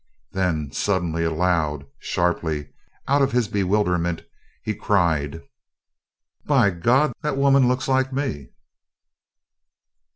Then suddenly, aloud, sharply, out of his bewilderment he cried: "By God! That woman looks like me!"